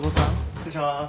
失礼しまーす。